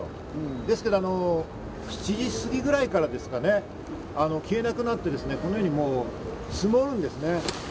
ですけど、７時過ぎぐらいからですかね、消えなくなって、積もるんですね。